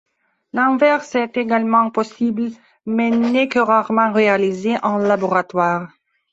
L'inverse est également possible mais n'est que rarement réalisé en laboratoire.